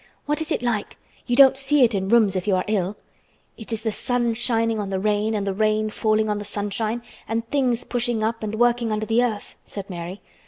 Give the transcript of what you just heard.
"What is it like? You don't see it in rooms if you are ill." "It is the sun shining on the rain and the rain falling on the sunshine, and things pushing up and working under the earth," said Mary.